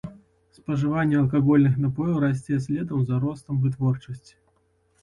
Спажыванне алкагольных напояў расце следам за ростам вытворчасці.